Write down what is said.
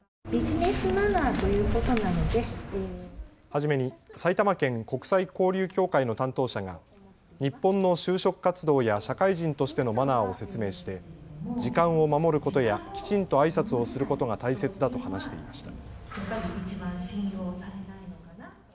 初めに埼玉県国際交流協会の担当者が日本の就職活動や社会人としてのマナーを説明して時間を守ることやきちんとあいさつをすることが大切だと話していました。